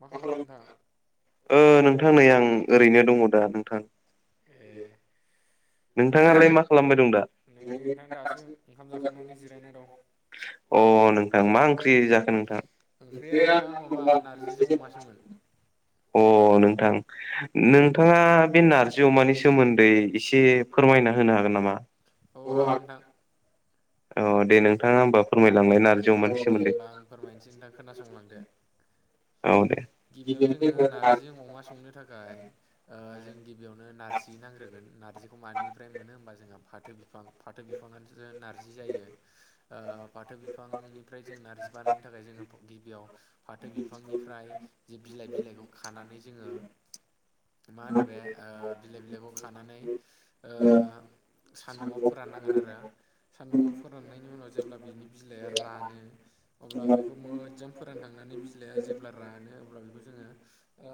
मा खालामदों नोंथां? [inaudible] नोंथां नै आं ओरैनो दङ दा नोंथां। ए। [inaudible] नोंथाङालाय मा खालामबाय दं दा? नै नोंथां दासो ओंखाम जाखांनानै जिरायना दं। अ नोंथां मा ओंख्रि जाखो नोंथां? ओंख्रिया नोंथां माबा नारजिजों अमासोमोन। अ नोंथां नोंथाङा बे नारजि अमानि सोमोन्दै एसे फोरमायना होनो हागोन नामा औ हागोन नोंथां औ दे नोंथाङा होनबा फोरमाय। औ दे होमबा आं फोरमायनोसै नोंथां खोनासंलांदो। औ दे गिबियावनो जोङो नार्जि अमा संनो थाखाय ओ जों गिबियावनो नारजि नांग्रोगोन नारजिखौ मानिफ्राय मोनो होनबा जोङो फाथो फिफां फाथो फिफांजोनो नारजि जि जायो। ओ फाथो बिफांनिफ्राय जों नार्जि बानायनो थाखाय जोङो गिबियाव फाथो बिफांनिफ्राय जे बिलाइ बिलाइखौ खानानै जोङो मा होनो बे ओ बिलाइ बिलाइखौ खानानै ओ सान्दुंआव फोराननांगोन आरो। सान्दुंआव फोराननायनि उनाव जेब्ला बिनि बिलाइआ रानो अब्ला बेखौ मोजां फोरान दानि बिलाइआ जेब्ला रानो अब्ला बेखौ जोंङो ओ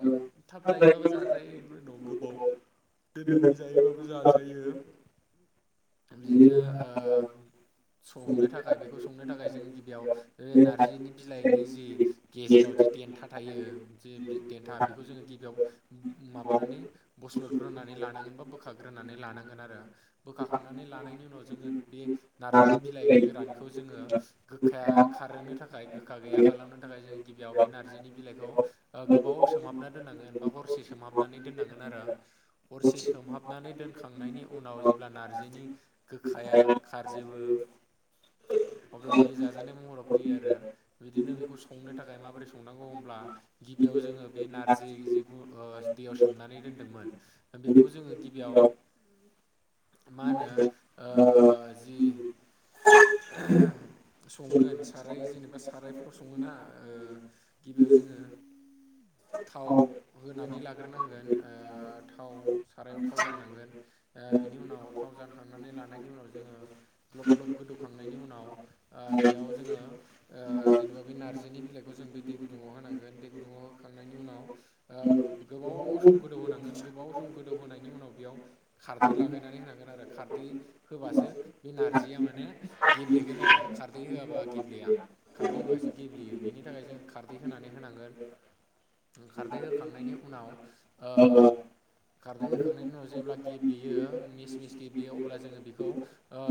थाब जायोबाबो जाजायोनि उनाव गोबाव दोननानै जायोबाबो जाजायो। बिदिनो ओ [unintelligible] संनो थाखाय बेखौ संनो थाखाय जों गिबियाव ओ नारजिनि बिलाइनि जि गेजेराव जि देन्था थायो जे देन्था बेखौ जोंङो गिबियाव माबानानै बस्लदग्रोनानै लानांगोन। बा बोखाग्रोनानै लांगोन आरो बोखाखांनानै लानायनि उनाव जोंङो बे नारजनि बिलाइ गो गानखौ जोंङो गोखाया खारोनो थाखाय गोखा गैया खालामनो थाखाय जों गिबियाव बे नारजिनि बिलाइखौ गोबाव सोमहाबना दोननांगोनबा हरसे सोमहाबनानै दोननांगोन आरो हरसे सोमहाबनानै दोनखांनायनि उनाव जेब्ला नार्जिनि गोखाया खारजोबो [inaudible] अब्ला बेयो जाजानाय महराव फैयो आरो बिदिनो बेखौ संनो थाखाय माबोरै संनांगौ गिबियाव जोंङो बे नारजि जि गु ओ दैयाव सोमनानै दोनदोंमोन बेखौ जों गिबियाव मा होनो ओ जि संगोन साराय जेनेबा सारायफोराव संङो ना ओ गिबियाव जोंङो थाव होनानै लाग्रोनांगोन ओ थाव सारायाव थाव जाननांगोन ओ नि उनाव थाव जानखांनानै लानायनि उनाव जोंङो ग्लब ग्लब गोदौखांनायनि उनाव ओ बेयाव जोंङो ओ जेनेबा बे नारजिनि बिलाइखौ जों बे दै गुदुंङाव होनांगोन दै गुदुङाव होखांनायनि उनाव ओ गोबाव सम गोदौ होनांगोन गोबाव सम गोदौ होनायनि उनाव बेयाव खारै लागायनानै होनांगोन आरो खारदै होबासो बे नारजिया माने गेब्लेगोन आरो खारदै होआबा गेब्लेया खारदै होबासो गेब्लेयो बेनि थाखाय जों खारदै होनानै होनांगोन खारदै होखांनायनि उनाव ओ खारदै होखांनायनि उनाव जेब्ला गेब्लेयो मिस मिस गेब्लेयो अब्ला जोंङो बेखौ ओ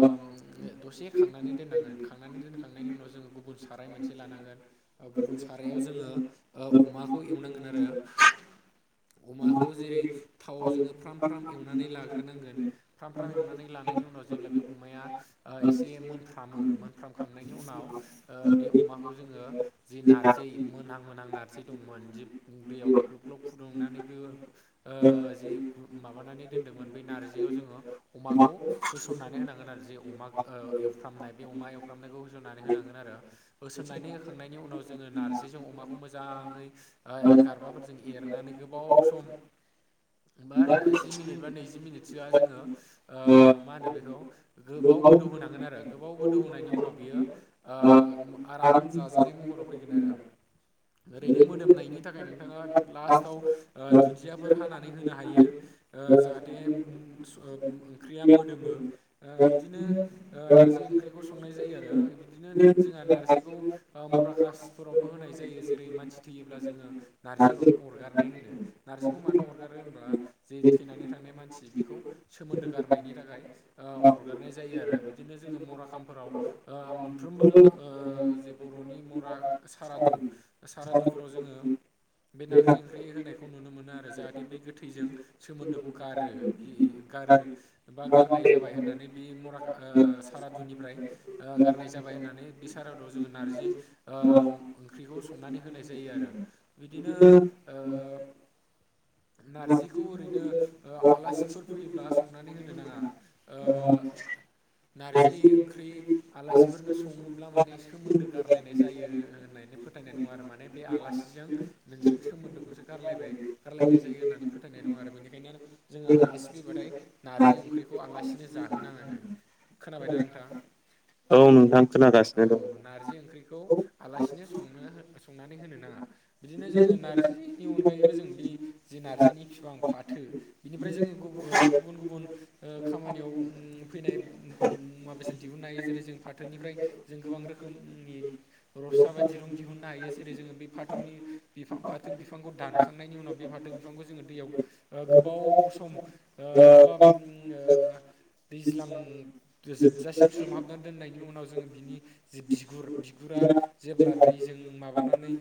दसे खांनानै दोननांगोन खांनानै दोनखांनायनि उनाव जोंङो गुबुन साराइ मोनसे लानांगोन गुबुन सारायाव जोंङो अमाखौ एवनांगोन आरो। अमाखौ जेरै थावआव जोंङो फ्राम फ्राम एवनानै लाग्रोनांगोन फ्राम फ्राम एवनानै ला नानायनि उनाव जेबला बे अमाया ओ एसे मोनफ्रामो मोनफ्रामखांनायनि उनाव ओ बे अमाखौ जोङो जि नारज जै मोनहां मोनहां नारजि दंमोन जि दैयाव ग्लब ग्लब फुदुंनानै गो ओ जि गु माबानानै दोनदोंमोन बै नारजिआव जोंङो अमाखौ होसननानै होनांगोन आरो जि अमा ओ एवफ्रामनाय बे अमा एवफ्रामनायखौ होसननानै होनांगोन आरो होसोननानै होखांनायनि उनाव जोंङो नारजिजों अमाखौ मोजाङै ओ गारबाफोरजों एरनानै गोबाव सम [unintelligible] बाव गोदोवहो फैगोन आरो ओरैनो मोदोमनायनि थाखाय नोंथाङा लास्टाव दुन्दियाफोर हानानै होनो हायो। जाहाथे ओंख्रिया मोदोमो बिदिनो ओ नार नारजि ओंख्रिखौ संनाय जायो आरो बिदिनो जोंहा नारजिखौ मुराकास फोरावबो होनाय जायो जेरै मानसि थैयोब्ला जोंङो नारजि रस अरगारनाय होनो नारजिखौ मानो अरगारो मानो होमबा जे थैनानै थांनाय मानसि बेखौ सोमोन्दो गारनायनि थाखाय ओ, अरगारनाय जायो। जायो आरो बिदिनो जोंङो मरा खामफोराव ओ, मोनफ्रोमबो ओ, जे बर'नि मरा सारादु सारादुफोराव जोंङो बे नारजि ओंख्रि होनायखौ नुनो मोनो आरो जाहाथे बे गोथैजों सोमोन्दोखौ गारो बे गारो बा गारनाय जाबाय होननानै बे मर सारादुनिफ्राय ओ, गारनाय जाबाय नायनानै बे साराद'आव जोंङो नारजि ओ ओंख्रिखौ संनानै होनाय जायो आरो बिदिनो ओ नारजिखौ ओरैनो आलासिफोर फैयोब्ला संनानै होनो नाङा, ओ नारजि ओंख्रि आलासिफोरनो संङोब्ला माने सोमोन्दो गारलायनाय जायो। होननायनानै फोथायनाय दं आरो माने बे आलासिजों नोंजों सोमोन्दोखौसो गारलायबाय गारलायनाय जायो। होननानै फोथायनाय दं आरो बेनिखायनो जोंङो आलासि फैबाथाय नारजि ओंख्रिखौ आलासिनो जाहो नांङानो। खोनाबायना नोंथां? औ नोंथां खोनागासिनो दं। औ नारजि ओंख्रिखौ आलासिनो संनो संनानै होनो नांङा। बिदिनो जोंङो नारजिनि अनगायैबो जों बे जि नारजिनि बिफां फाथो बिनिफ्राय जोंङो ओ गुबुन गुबुन ओ खामानियाव फैनाय मुवा बेसाद दिहुननो हायो जेरै जों फाथोनिफ्राय जों गोबां रोखोम खोमनि रसा बा दिरुं दिहुननो हायो जेरै जोंङो बे फाथौनि बिफां फाथो बिफांखौ दानखांनायनि उनाव बे फाथौ बिफांखौ जोंंङो दैयाव गोबाव सम ओ, बा उम ओ दैज्लां जोबजासिम सोमहाबनानै दोननायनि उनाव जोंङो बिनि जे बिगुर बिगुरा जेब्ला दैजों माबानानै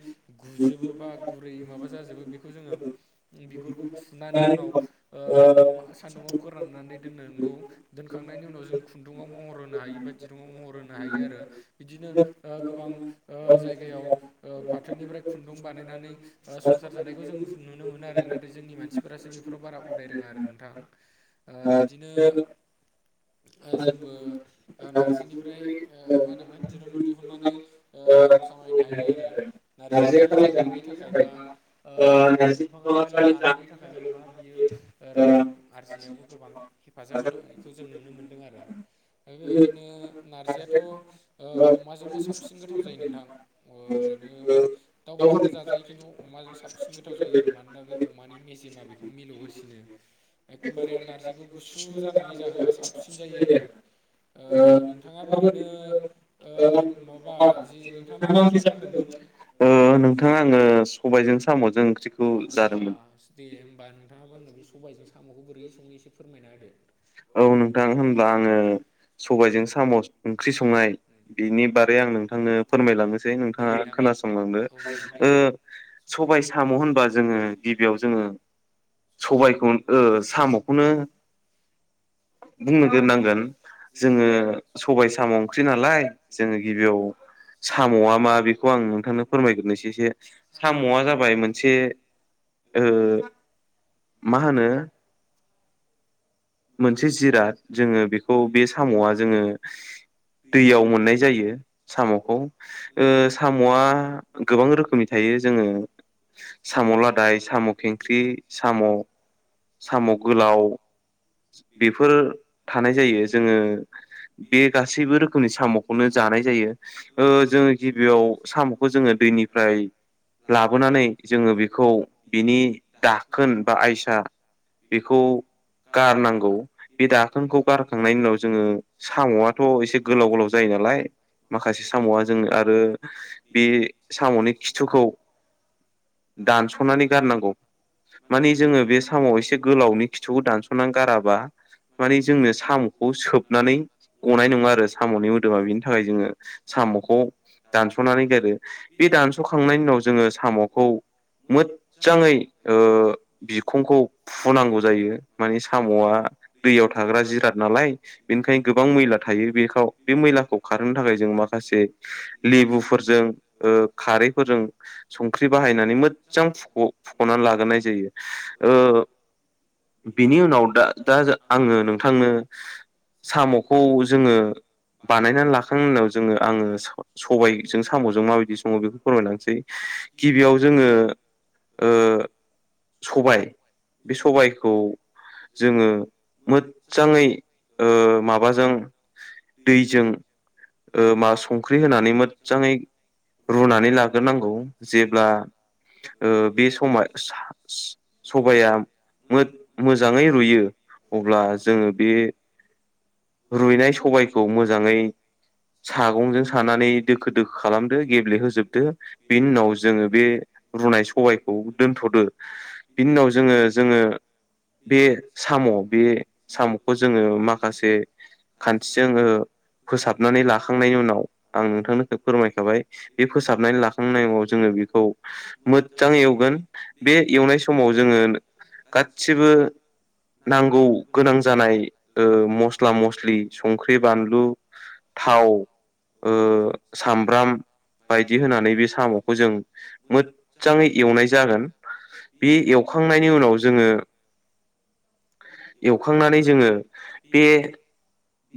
गुजोबो बा गुरै माबा जाजोबो बेखौ जोंङो बिगुरखौ फुनानै उनाव ओ, सान्दुंङाव फोराननानै दोननांगौ दोनखां खांनायनि उनाव जों खुन्दुुंआव महर होनो हायो बा दिरुंआव महर होनो हायो आरो बिदिनो गोबां ओ, जायगायाव ओ, फाथोनिफ्राय खुन्दुं बानायनानै ओ संसार जानायखौ जों नुनो मोनो आरो नाथाय जोंनि मानसिफोरासो बेफोराव बारा उदाय रोंङा आरो नोंथां ओ, बिदिनो ओ जोंबो ओ नारजिनिफ्राय ओ, मा होनोमोन दिरुं दिहुननानै ओ, रां खामायनो हायो आरो नारजिया खालि जानायनि थाखाय बा ओ, नारजि बिफांङा खालि जानायनि थाखायल' नंङा बियो रां आरजिनायावबो गोबां हेफाजाब होनो बेखौ जों नुनो मोनदों आरो ओ, बेबायदिनो नारजियाथ' ओ, अमाजोंनो साबसिन गोथ नोंथां ओरैनो दाउफोरजोंबो जाजायो खिन्थु अमाजों साबसिन गोथाव जायो आरो मानोना बे अमानि मेजेमा बेखौ मिलौ होसिनो एखदमबारे नारजिखौ गुसु जानानै जाहोबा साबसिन जायो आरो ओ, नोंथांङाबो ओरैनो आंनो माबा जि नोंथाङा मा ओंख्रि जाखो होनदोंमोन? [inaudible] ओ, सबायजों साम'जों ओंख्रिखौ आदसा जादोंमोन। दे होमबा नोंथांङा आंनो बे सबायजों साम'खौ बोरै संङो एसे फोरमायना होदो औ नोंथां होनब्ला आंङो सबायजों सामस ओंख्रि संनाय बिनि बारै आं नोंथांनो फोरमायलांनो सै दे नोंथांङा नोंथां खोनासंलांदो औ नोंथां ओ, दे। सबाय साम' होनबा जोंङो गिबियाव जोंङो [inaudible] सबायखौ ओ, साम'खौनो बुंगोरनांगोन जोंङो सबाय साम' ओंख्रि नालाय जोंङो गिबियाव साम'आ मा बेखौ आं नोंथांनो फोरमायग्रोनोसै एसे साम'आ जाबाय मोनसे ओ, मा होनो मोनसे जिराद जोंङो बेखौ बे साम'आ जोंङो दैयाव मोननाय जायो साम'खौ। ओ, साम'आ गोबां रोखोमनि थायो। जोंङो साम' लादाय साम' खेंख्रि साम' साम' गोलाव बेफोर थानाय जायो जोंङो बे गासैबो रोखोमनि साम'खौनो जानाय जायो ओ जोंङो गिबियाव साम'खौ जोंङो दै बेनिफ्राय लाबोनानै जोंङो बेखौ बिनि दाखोन बा आयसा बेखौ गारनो गौ बे दाखोनखौ गारखांनायनि उनाव जोंङो साम'आथ' एसे गोलाव गोलाव जायो नालाय माखासे साम'आ जों आरो बे साम'नि खिथुखौ [inaudible] दानस'नानै गारनांगौ माने जोंङो बे सामाव एसे गोलावनि खिथुखौ दानस' नानै गाराबा मानि जोंनो साम'खौ सोबनानै गनाय नङा आरो साम'नि मोदोमा बेनि थाखाय जोङो साम'खौ दानस'नानै गारो बे दानस'खांनायनि उनाव जोङो साम'खौ मोजजाङै बिखंखौ फुनांगौ जायो। माने साम'आ दैयाव थाग्रा जिराद नालाय बेनिखायनो गोबां मैला थायो बेखौ बे मैला खौ खारहोनो थाखाय माखसे लेबुफोरजों खारैफोरजों ओंख्रि बाहायनानै मोजां फुख'नानै लाग्रोनाय जायो। बिनि उनाव दा दा आङो नोंथांनो साम'खौ जोङो बानायनानै लाखांनायनि उनाव जोङो आङो सबायजों साम'जों माबायदि सङो बेखौ फोरमायलांसै गिबियाव जोङो सबाय बे सबायखौ खौ जोङो मोजाङै माबाजों दैजों मा संख्रि होनानै मोजाङै रुनानै लाग्रोनांगौ जेब्ला बे समा सबाया मोजाङै रुयो अब्ला जोङो बे रुइनाय सबायखौ मोजाङै सागंजों सानानै दोखो- दोखो खालामदो गेब्लेहोजोबदो बेनि उनाव जोङो बे रुनाय सबायखौ दोनथ'दो बिनि उनाव जोङो जोङो बे साम' बे साम'खौ जोङो माखासे खानथिजों फोसाबनानै लाखांनायनि उनाव आं नोंथांमोनखौ फोरमायखाबाय बे फोसाबनानै लाखांनायनि उनाव जोङो मोजां एवगोन बे एवनाय समाव जोङो गासिबो नांगौ गोनां जानाय मस्ला-मस्लि संख्रि, बानलु, थाव, सामब्राम बायदि होनानै बे साम'खौ जों मोजाङै एवनाय जागोन। बे एवखांनायनि उनाव जोङो एवखांनानै जोङो बे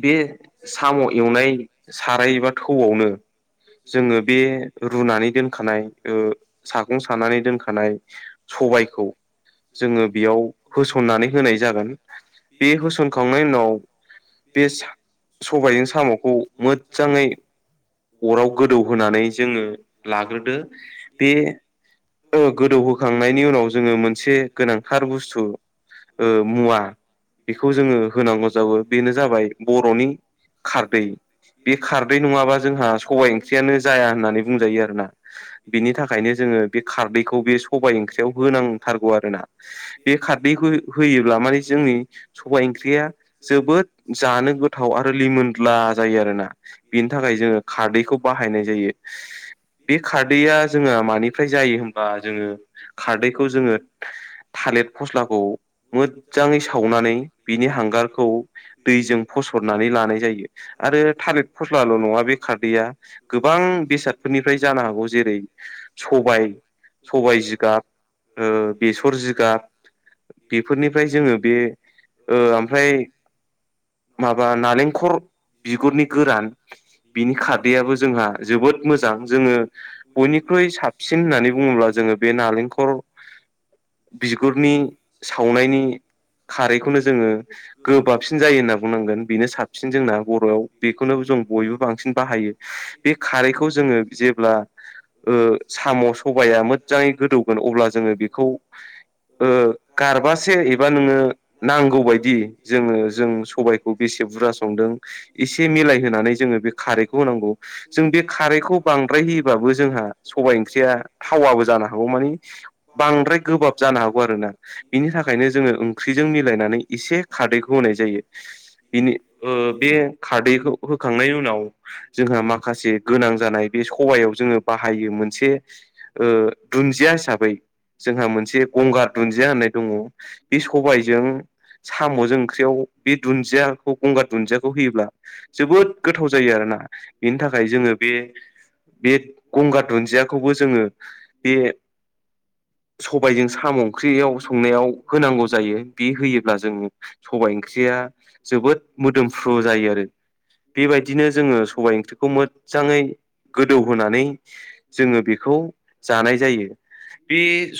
बे साम' एवनाय साराय बा थौआवनो जोङो बे रुनानै दोनखानाय सागं सानानै दोनखानाय सबायखौ जोङो बेयाव होसननानै होनाय जागोन बे होसनखांनायनि उनाव बे सबायजों साम'खौ मोजाङै अराव गोदौहोनानै जोङो लाग्रोदो बे गोदौहोखांनायनि उनाव जोङो मोनसे गोनांथार बुस्थु मुवा बेखौ जोङो होनांगौ जाबो बेनो जाबाय बर'नि खारदै बे खारदै नङाबा जोंहा सबाइ ओंख्रियानो जाया होननानै बुंजायो आरोना। बिनि थाखायनो जोङो बे खारदैखौ बे सबाय ओंख्रियाव होनांथारगौ आरोना बे खारदै ओंख्रिखौ होयोब्ला माने जोंनि सबाइ ओंख्रिया जोबोद जानो गोथाव आरो लिमोनला जायो आरोना बेनि थाखाय जोङो खारदैखौ बाहायनाय जायो। [inaudible] बे खारदैया जोंहा मानिफ्राय जायो होनबा जोङो खारदैखौ जोङो थालिर फस्लाखौ मोजाङै सावनानै बिनि हांगारखौ दैजों फसरनानै लानाय जायो आरो थालिर फस्लाल' नङा बे खारदैया गोबां बेसादफोरनिफ्राय जानो हागौ जेरै सबाय, सबाय जिगाब बेसर जिगाब बेफोरनि ओमफ्राय जोङो बे ओमफ्राय माबा नालेंखर बिगुरनि गोरान बिनि खारदैयाबो जोंहा जोबोद मोजां जोङो बयनिख्रुइ साबसिन होननानै बुङोब्ला जों जोङो बे नारेंखल [inaudible] बिगुरनि सावनायनि खारैखौनो जोङो गोबाब साबसिन जायो होन्ना बुंनांगोन बेनो साबसिन जोंना बर'आव बेखौनो जों बयबो बांसिन बाहायो बे खारैखौ जोङो जेब्ला ओ साम' सबाया मोजाङै गोदौगोन अब्ला जोङो बेखौ ओ गारबासे एबा नोङो नांगौ बायदि जोङो जों सबाइखौ बेसे बुरा सदोंसेायनानै जो बे खारैखौ होनांगौ जों बे खारैखौ बांद्राय होयोबबो जोंहा सबबाय ओंख्रिया थावाबो जानो हागौ मान बांद्र गोबाब जानो हागौ आरो ना बिनि थाखायनो जोङो ओंख्रिजों मिलायनानै एसे खारदैखौ होनाय ज जायो बिनि ओ बे खारदैखौ होखांनायनि उनाव जोंहा माखासे गोनां जानाय बे सबायाव जोङो बाहायो मोनसे ओ दुन्दिया हिसाबै जोंहा मोनसे गंगार दुन्दिया होननाय दङ बे सबायजों साम'जों ओंख्रियाव बे दुन्दियाखौ गंगार दुन्दियाखौ होयोब्ला जोबोद गोथाव जायो आरो ना बेनि थाखाय जोङो बे गंगार दुन्दियाखौबो जोङो बे [inaudible] सबबायजों साम' ओंख्रियाव संनायाव होनांगौ जायो बे होयोब्ला जोंङ सबाइ ख्रैया जोबोद मोदोमफ्रु जायो आरो बेबायदिनो जोङो सबबाय ओंख्रिखौ मोजाङै गोदौहोनानै जोङो बेखौ जानाय जायो बे